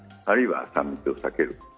あるいは、３密を避ける。